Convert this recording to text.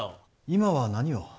今は何を？